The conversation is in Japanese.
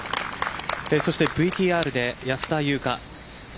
そしてＶＴＲで安田祐香。